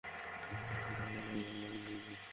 আর স্পষ্ট নিশানা পেলেই, বাঙ্কার উড়িয়ে দিন।